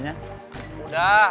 kenapa enak sama aku